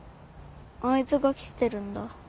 あいつが来てるんだ。